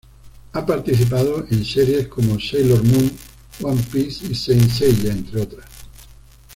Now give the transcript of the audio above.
Ha participado en series como Sailor Moon, One Piece y Saint Seiya, entre otras.